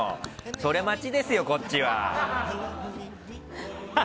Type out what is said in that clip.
それ待ちですよ、こっちは。